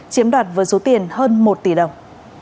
chiếm đoạt với số tiền hơn một tỷ đồng